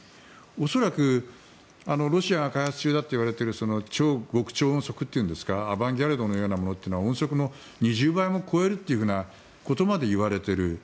恐らくロシアで開発中だといわれている極超音速アバンギャルドのようなものは音速の２０倍も超えるということまでいわれている。